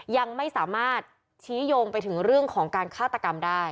ยังไม่สามารถชี้โยงไปถึงเรื่องของการฆาตกรรมได้